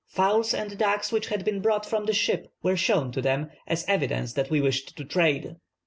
Fowls and ducks which had been brought from the ship were shown to them; as evidence that we wished to trade.